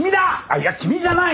いや君じゃない！